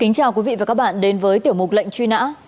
xin chào quý vị và các bạn đến với tiểu mục lệnh truy nã